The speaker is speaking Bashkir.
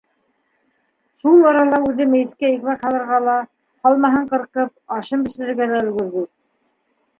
Шул арала үҙе мейескә икмәк һалырға ла, һалмаһын ҡырҡып, ашын бешерергә лә өлгөрҙө.